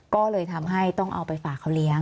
ก็เลยทำให้ต้องเอาไปฝากเขาเลี้ยง